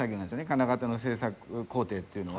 金型の制作工程っていうのは。